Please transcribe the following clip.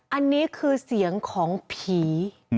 อันนี้คือเสียงของผี